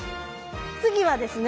次はですね